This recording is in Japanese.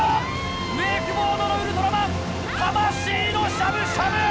ウェイクボードのウルトラマン魂のしゃぶしゃぶ！